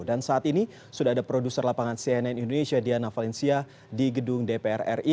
dan saat ini sudah ada produser lapangan cnn indonesia diana valencia di gedung dpr ri